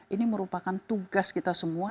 ini merupakan tugas kita semua